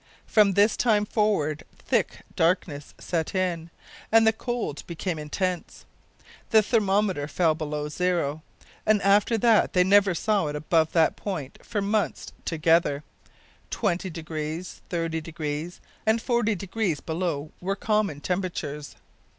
From this time forward thick darkness set in, and the cold became intense. The thermometer fell below zero, and after that they never saw it above that point for months together 20 degrees, 30 degrees, and 40 degrees below were common temperatures.